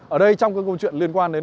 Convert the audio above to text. ở đây trong cái câu chuyện liên quan đến